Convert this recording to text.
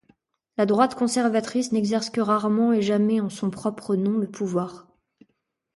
La droite conservatrice n’exerce que rarement et jamais en son propre nom le pouvoir.